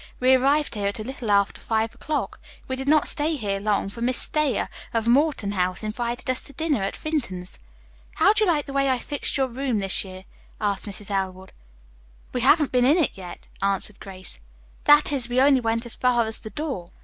We arrived here at a little after five o'clock. We did not stay here long, for Miss Thayer, of Morton House, invited us to dinner at Vinton's." "How do you like the way I fixed your room this year?" asked Mrs. Elwood. "We haven't been in it yet," answered Grace. "That is, we went only as far as the door."